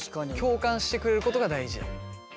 共感してくれることが大事。